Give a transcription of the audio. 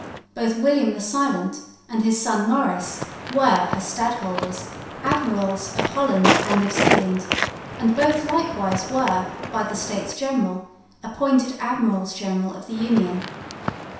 Both William the Silent and his son Maurice were, as stadholders, admirals of Holland and of Zeeland, and both likewise were by the States General appointed Admirals General of the Union.